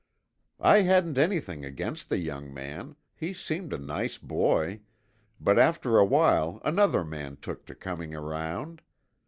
"I hadn't anything against the young man, he seemed a nice boy, but after a while another man took to coming around.